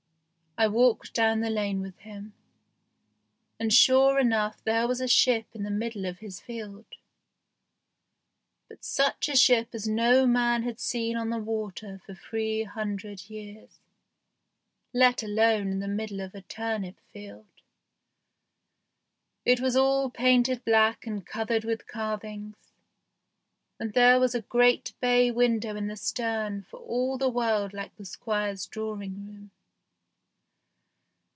I walked down the lane with him, and sure enough there was a ship in the middle of his field, but such a ship as no man had seen on the water for three hundred years, let alone in the middle of a turnip field. It was all painted black and covered with carvings, and there was a great bay window in the stern for all the world like the Squire's drawing room.